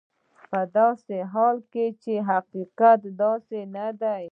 په داسې حال کې چې حقیقت داسې نه دی.